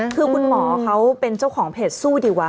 คือคุณหมอเขาเป็นเจ้าของเพจสู้ดีวะ